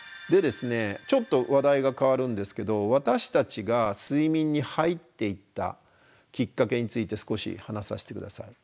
ちょっと話題が変わるんですけど私たちが睡眠に入っていったきっかけについて少し話させて下さい。